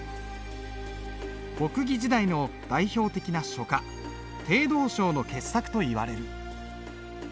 北魏時代の代表的な書家鄭道昭の傑作といわれる。